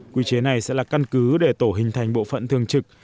quy chế này sẽ là căn cứ để tổ hình thành bộ phận thường trực